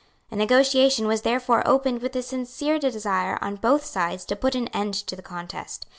A negotiation was therefore opened with a sincere desire on both sides to put an end to the contest.